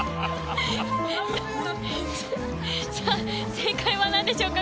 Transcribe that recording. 正解は何でしょうか？